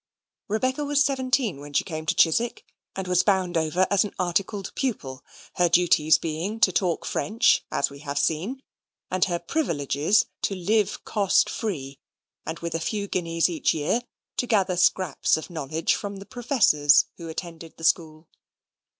Rebecca was seventeen when she came to Chiswick, and was bound over as an articled pupil; her duties being to talk French, as we have seen; and her privileges to live cost free, and, with a few guineas a year, to gather scraps of knowledge from the professors who attended the school.